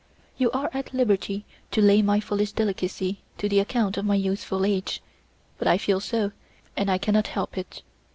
You are at liberty to lay my foolish delicacy to the account of my youthful age, but I feel so, and I cannot help it.